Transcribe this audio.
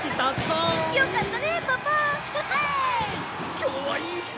今日はいい日だ。